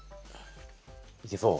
いけそう？